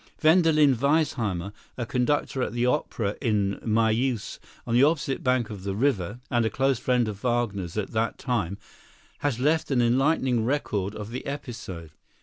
Wendelin Weissheimer, a conductor at the opera in Mayeuse on the opposite bank of the river and a close friend of Wagner's at that time, has left an enlightening record of the episode.